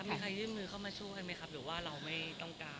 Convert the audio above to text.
มีใครยื่นมือเข้ามาช่วยกันไหมครับหรือว่าเราไม่ต้องการ